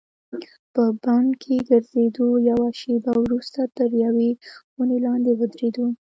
په بڼ کې ګرځېدو، یوه شیبه وروسته تر یوې ونې لاندې ودریدو.